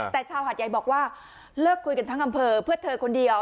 แต่ชาวหาดใหญ่บอกว่าเลิกคุยกันทั้งอำเภอเพื่อเธอคนเดียว